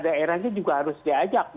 daerah itu juga harus diajak